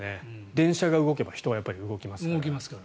電車が動けば人は動きますから。